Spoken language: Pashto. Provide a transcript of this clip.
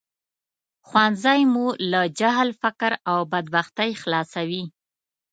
ښوونځی مو له جهل، فقر او بدبختۍ خلاصوي